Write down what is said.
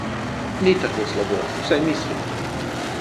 Ni tako slabo, vsaj mislim.